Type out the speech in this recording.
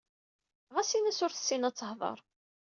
Ɣas in-as ur tessin ad tehder.